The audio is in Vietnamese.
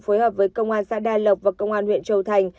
phối hợp với công an xã đa lộc và công an huyện châu thành